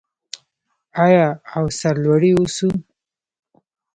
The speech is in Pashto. آیا او سرلوړي اوسو؟